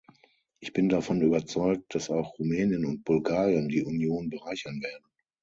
Ich bin davon überzeugt, dass auch Rumänien und Bulgarien die Union bereichern werden.